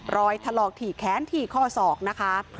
รอยถลอกถี่แขนถี่ข้อศอกนะคะ